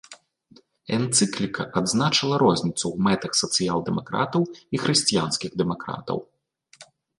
Энцыкліка адзначыла розніцу ў мэтах сацыял-дэмакратаў і хрысціянскіх дэмакратаў.